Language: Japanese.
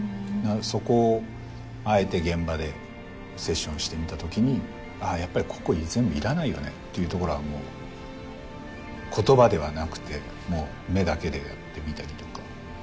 そこをあえて現場でセッションしてみたときにやっぱりここ全部いらないよねっていうところはもう言葉ではなくて目だけでやってみたりとか。